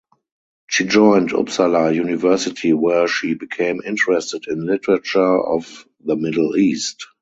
She joined Uppsala University where she became interested in literature of the Middle East.